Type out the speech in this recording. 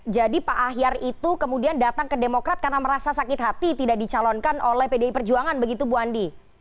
jadi pak akhir itu kemudian datang ke demokrat karena merasa sakit hati tidak dicalonkan oleh pdip perjuangan begitu bu andi